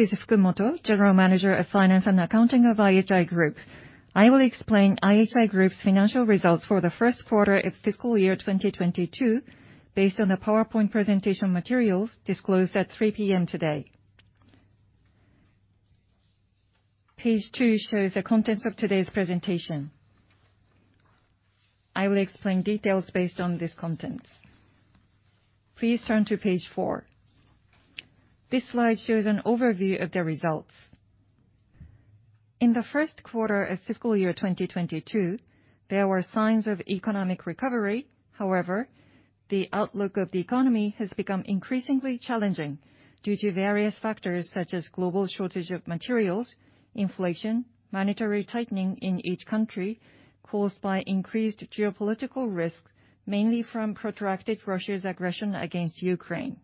This is Fukumoto, General Manager of Finance and Accounting of IHI Group. I will explain IHI Group's financial results for the first quarter of fiscal year 2022 based on the PowerPoint presentation materials disclosed at 3:00 P.M. today. Page two shows the contents of today's presentation. I will explain details based on these contents. Please turn to page four. This slide shows an overview of the results. In the first quarter of fiscal year 2022, there were signs of economic recovery. However, the outlook of the economy has become increasingly challenging due to various factors such as global shortage of materials, inflation, monetary tightening in each country caused by increased geopolitical risks, mainly from protracted Russia's aggression against Ukraine.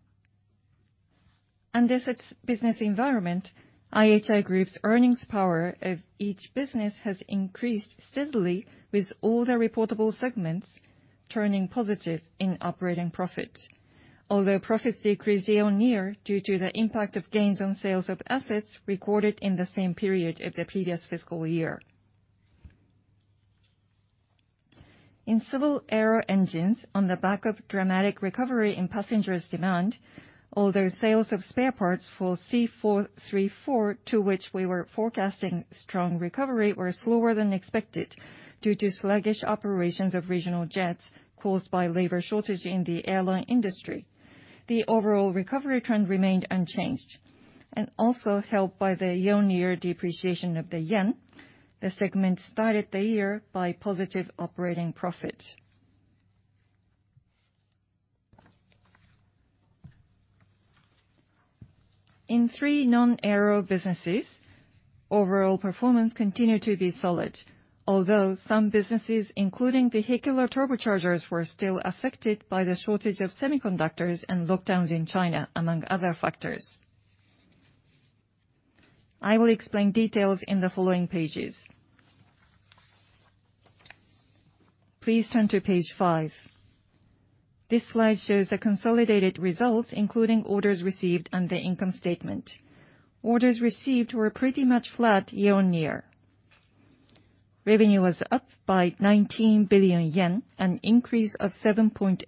Under this business environment, IHI Group's earnings power of each business has increased steadily with all the reportable segments turning positive in operating profit. Although profits decreased year-on-year due to the impact of gains on sales of assets recorded in the same period of the previous fiscal year. In Civil aero engines, on the back of dramatic recovery in passengers' demand, although sales of spare parts for CF34, to which we were forecasting strong recovery, were slower than expected due to sluggish operations of regional jets caused by labor shortage in the airline industry. The overall recovery trend remained unchanged. Helped by the year-on-year depreciation of the yen, the segment started the year by positive operating profit. In three non-aero businesses, overall performance continued to be solid, although some businesses, including vehicular turbochargers, were still affected by the shortage of semiconductors and lockdowns in China, among other factors. I will explain details in the following pages. Please turn to page five. This slide shows the consolidated results, including orders received and the income statement. Orders received were pretty much flat year-on-year. Revenue was up by 19 billion yen, an increase of 7.8%.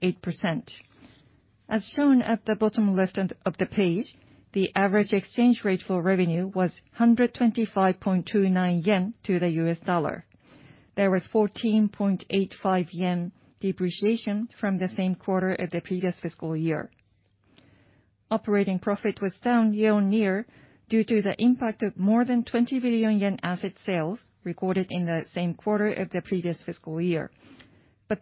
As shown at the bottom left of the page, the average exchange rate for revenue was 125.29 yen to the US dollar. There was 14.85 yen depreciation from the same quarter of the previous fiscal year. Operating profit was down year-on-year due to the impact of more than 20 billion yen asset sales recorded in the same quarter of the previous fiscal year.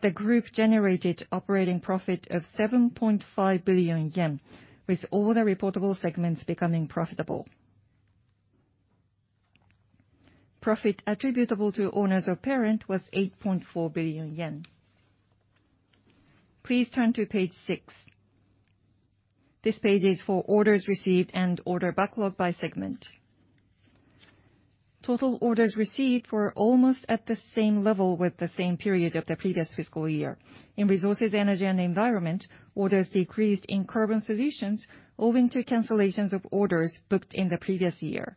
The group generated operating profit of 7.5 billion yen, with all the reportable segments becoming profitable. Profit attributable to owners of parent was 8.4 billion yen. Please turn to page six. This page is for orders received and order backlog by segment. Total orders received were almost at the same level with the same period of the previous fiscal year. In Resources, Energy and Environment, orders decreased in Carbon Solutions owing to cancellations of orders booked in the previous year.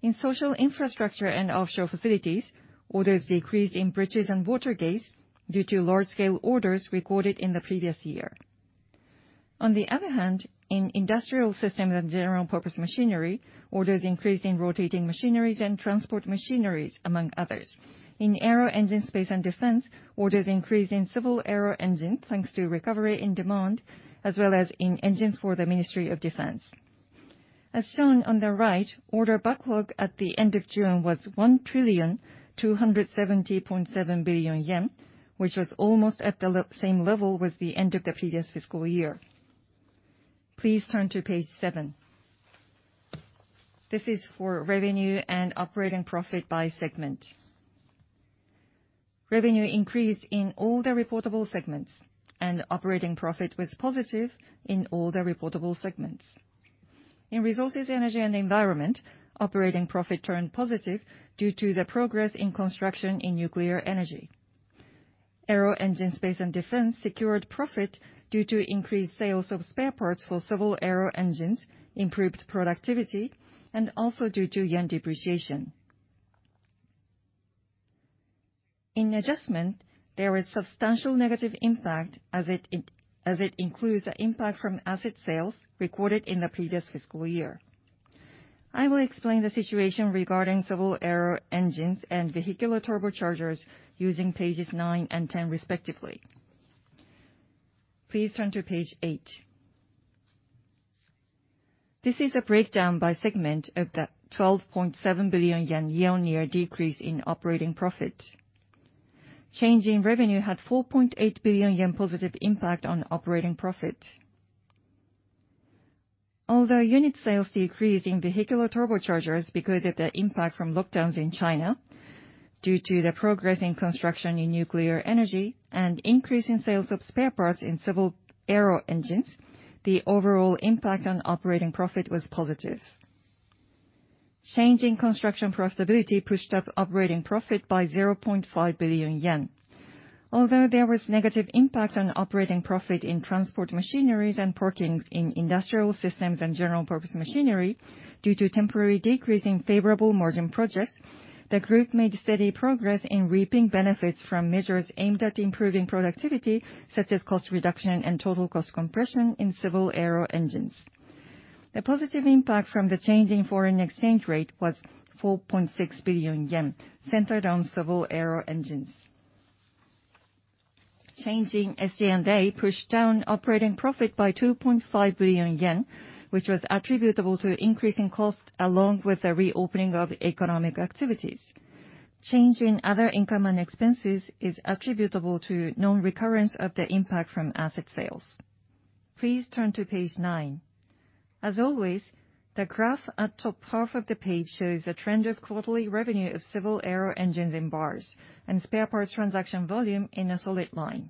In Social Infrastructure and Offshore Facilities, orders decreased in Bridges and Water Gates due to large-scale orders recorded in the previous year. On the other hand, in Industrial Systems and General-Purpose Machinery, orders increased in Rotating Machinery and Transport Machinery, among others. In Aero Engine, Space and Defense, orders increased in Civil Aero Engines thanks to recovery in demand, as well as in engines for the Ministry of Defense. As shown on the right, order backlog at the end of June was 1,270.7 billion yen, which was almost at the same level with the end of the previous fiscal year. Please turn to page seven. This is for revenue and operating profit by segment. Revenue increased in all the reportable segments, and operating profit was positive in all the reportable segments. In Resources, Energy and Environment, operating profit turned positive due to the progress in construction in nuclear energy. Aero Engine, Space and Defense secured profit due to increased sales of spare parts for Civil Aero Engines, improved productivity, and also due to yen depreciation. In Adjustment, there was substantial negative impact as it includes the impact from asset sales recorded in the previous fiscal year. I will explain the situation regarding Civil Aero Engines and vehicular turbochargers using pages nine and 10 respectively. Please turn to page eight. This is a breakdown by segment of the 12.7 billion yen year-on-year decrease in operating profit. Change in revenue had 4.8 billion yen positive impact on operating profit. Although unit sales decreased in vehicular turbochargers because of the impact from lockdowns in China due to the progress in construction in nuclear energy and increase in sales of spare parts in Civil Aero Engines, the overall impact on operating profit was positive. Change in construction profitability pushed up operating profit by 0.5 billion yen. Although there was negative impact on operating profit in Transport Machineries and Parking in Industrial Systems and General-Purpose Machinery due to temporary decrease in favorable margin projects, the group made steady progress in reaping benefits from measures aimed at improving productivity, such as cost reduction and total cost compression in Civil Aero Engines. The positive impact from the change in foreign exchange rate was 4.6 billion yen, centered on Civil Aero Engines. Change in SG&A pushed down operating profit by 2.5 billion yen, which was attributable to increasing cost along with the reopening of economic activities. Change in other income and expenses is attributable to non-recurrence of the impact from asset sales. Please turn to page nine. As always, the graph at top half of the page shows a trend of quarterly revenue of Civil Aero Engines in bars and spare parts transaction volume in a solid line.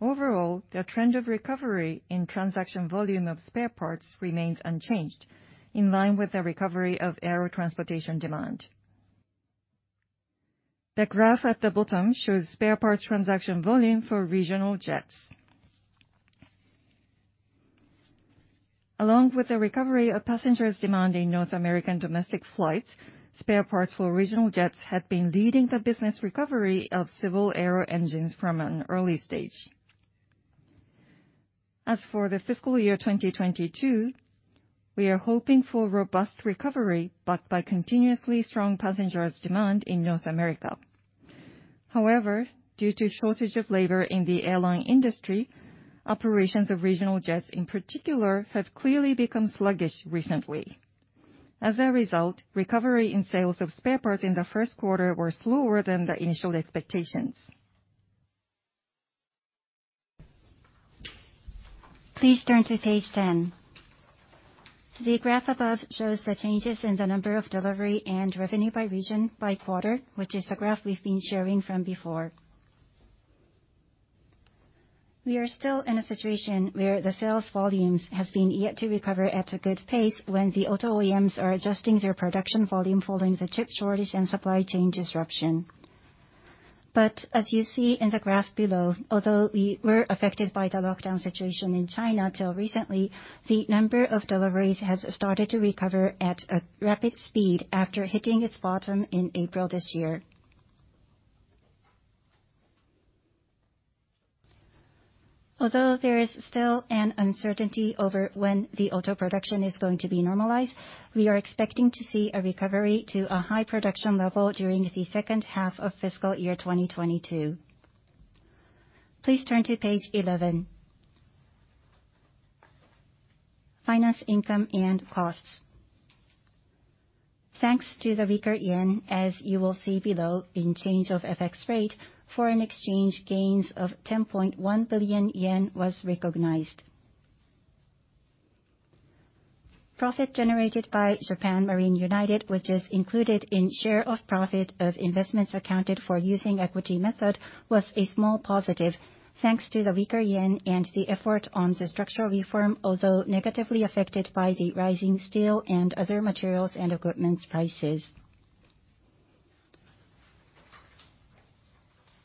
Overall, the trend of recovery in transaction volume of spare parts remains unchanged, in line with the recovery of aero transportation demand. The graph at the bottom shows spare parts transaction volume for regional jets. Along with the recovery of passenger demand for North American domestic flights, spare parts for regional jets had been leading the business recovery of Civil Aero Engines from an early stage. As for the fiscal year 2022, we are hoping for robust recovery backed by continuously strong passenger demand in North America. However, due to shortage of labor in the airline industry, operations of regional jets in particular have clearly become sluggish recently. As a result, recovery in sales of spare parts in the first quarter were slower than the initial expectations. Please turn to page 10. The graph above shows the changes in the number of delivery and revenue by region by quarter, which is the graph we've been sharing from before. We are still in a situation where the sales volumes has been yet to recover at a good pace when the auto OEMs are adjusting their production volume following the chip shortage and supply chain disruption. As you see in the graph below, although we were affected by the lockdown situation in China until recently, the number of deliveries has started to recover at a rapid speed after hitting its bottom in April this year. Although there is still an uncertainty over when the auto production is going to be normalized, we are expecting to see a recovery to a high production level during the second half of fiscal year 2022. Please turn to page 11. Finance income and costs. Thanks to the weaker yen, as you will see below in change of FX rate, foreign exchange gains of 10.1 billion yen was recognized. Profit generated by Japan Marine United, which is included in share of profit of investments accounted for using equity method, was a small positive thanks to the weaker yen and the effort on the structural reform, although negatively affected by the rising steel and other materials and equipment prices.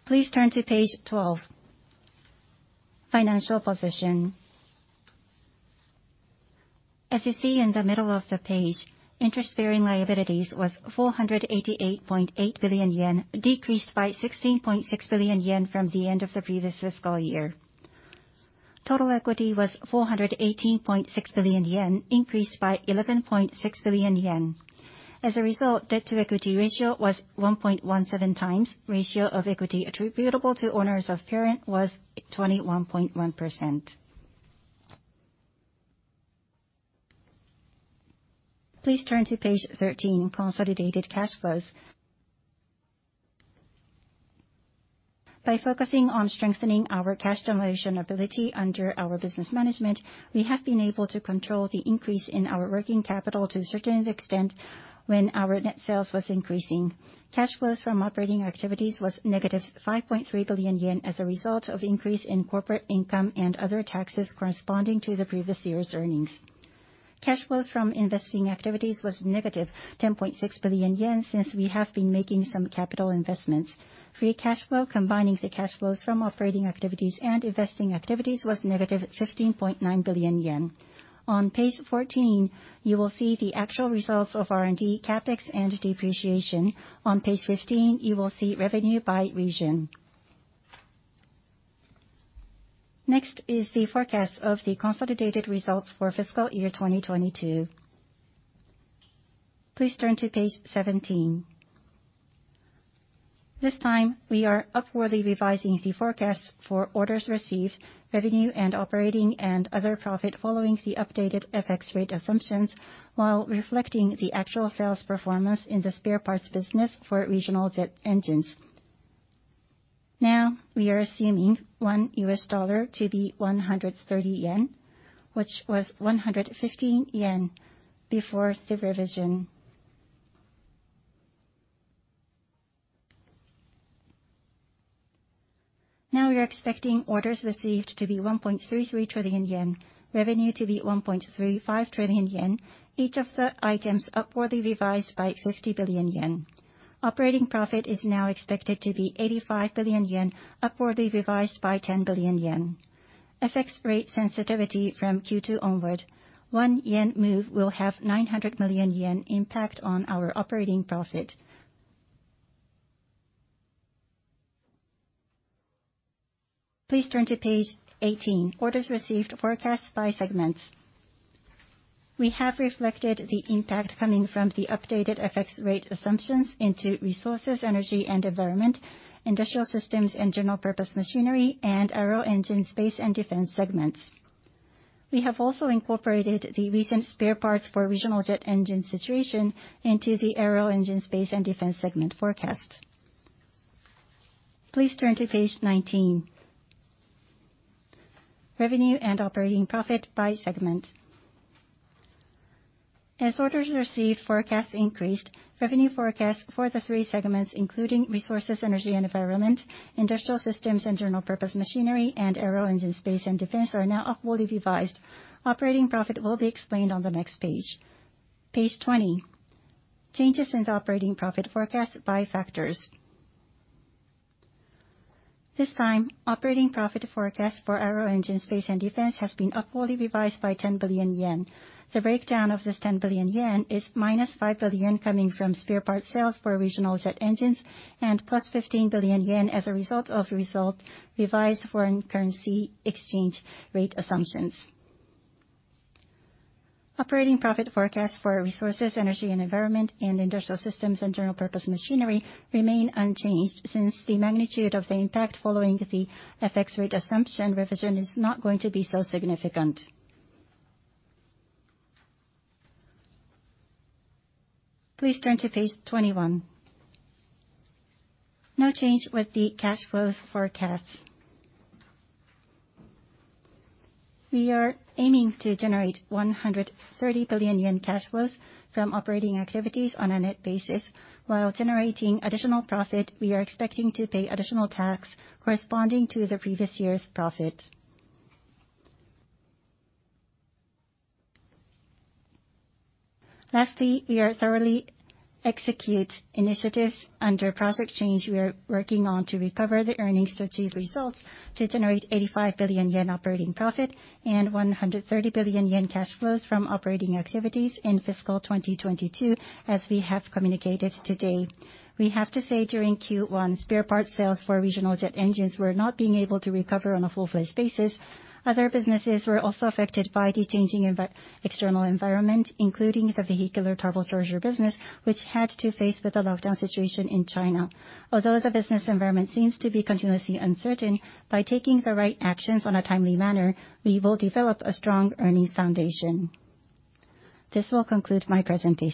Please turn to page 12. Financial position. As you see in the middle of the page, interest bearing liabilities was 488.8 billion yen, decreased by 16.6 billion yen from the end of the previous fiscal year. Total equity was 418.6 billion yen, increased by 11.6 billion yen. As a result, debt to equity ratio was 1.17 times. Ratio of equity attributable to owners of parent was 21.1%. Please turn to page 13, consolidated cash flows. By focusing on strengthening our cash generation ability under our business management, we have been able to control the increase in our working capital to a certain extent when our net sales was increasing. Cash flows from operating activities was negative 5.3 billion yen as a result of increase in corporate income and other taxes corresponding to the previous year's earnings. Cash flows from investing activities was negative 10.6 billion yen since we have been making some capital investments. Free cash flow combining the cash flows from operating activities and investing activities was negative 15.9 billion yen. On page 14, you will see the actual results of R&D, CAPEX and depreciation. On page 15, you will see revenue by region. Next is the forecast of the consolidated results for fiscal year 2022. Please turn to page 17. This time, we are upwardly revising the forecast for orders received, revenue and operating and other profit following the updated FX rate assumptions while reflecting the actual sales performance in the spare parts business for regional jet engines. Now, we are assuming 1 US dollar to be 130 yen, which was 115 yen before the revision. Now we are expecting orders received to be 1.33 trillion yen. Revenue to be 1.35 trillion yen. Each of the items upwardly revised by 50 billion yen. Operating profit is now expected to be 85 billion yen, upwardly revised by 10 billion yen. FX rate sensitivity from Q2 onward, 1 yen move will have 900 million yen impact on our operating profit. Please turn to page 18, orders received forecast by segments. We have reflected the impact coming from the updated FX rate assumptions into Resources, Energy and Environment, Industrial Systems and General-Purpose Machinery, and Aero Engine, Space and Defense segments. We have also incorporated the recent spare parts for regional jet engine situation into the Aero Engine, Space and Defense segment forecast. Please turn to page 19. Revenue and operating profit by segment. As orders received forecasts increased, revenue forecasts for the three segments, including Resources, Energy and Environment, Industrial Systems and General-Purpose Machinery, and Aero Engine, Space and Defense, are now upwardly revised. Operating profit will be explained on the next page. Page 20, changes in the operating profit forecast by factors. This time, operating profit forecast for Aero Engine, Space and Defense has been upwardly revised by 10 billion yen. The breakdown of this 10 billion yen is -5 billion coming from spare parts sales for regional jet engines and +15 billion yen as a result of revised foreign currency exchange rate assumptions. Operating profit forecast for Resources, Energy and Environment and Industrial Systems and General-Purpose Machinery remain unchanged since the magnitude of the impact following the FX rate assumption revision is not going to be so significant. Please turn to page 21. No change with the cash flows forecast. We are aiming to generate 130 billion yen cash flows from operating activities on a net basis. While generating additional profit, we are expecting to pay additional tax corresponding to the previous year's profit. Lastly, we are thoroughly execute initiatives under Project Change. We are working on to recover the earnings to achieve results to generate 85 billion yen operating profit and 130 billion yen cash flows from operating activities in fiscal 2022, as we have communicated today. We have to say during Q1, spare parts sales for regional jet engines were not being able to recover on a full-fledged basis. Other businesses were also affected by the changing external environment, including the vehicular turbocharger business, which had to face with the lockdown situation in China. Although the business environment seems to be continuously uncertain, by taking the right actions on a timely manner, we will develop a strong earnings foundation. This will conclude my presentation.